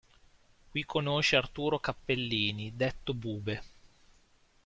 Qui conosce Arturo Cappellini, detto Bube.